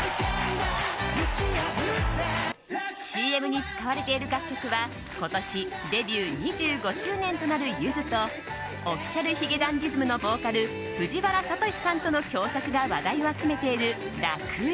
ＣＭに使われている楽曲は今年デビュー２５周年となるゆずとＯｆｆｉｃｉａｌ髭男ｄｉｓｍのボーカル藤原聡さんとの共作が話題を集めている「ＲＡＫＵＥＮ」。